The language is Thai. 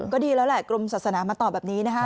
ก็ดีแล้วแหละกรมศาสนามาตอบแบบนี้นะคะ